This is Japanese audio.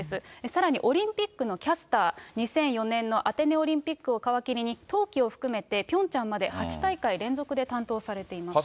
さらに、オリンピックのキャスター、２００４年のアテネオリンピックを皮切りに、冬季を含めて、ピョンチャンまで８大会連続で担当されています。